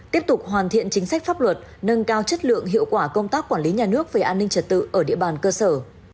tiếp tục hoàn thiện chính sách pháp luật nâng cao chất lượng hiệu quả công tác quản lý nhà nước về an ninh trật tự ở địa bàn cơ sở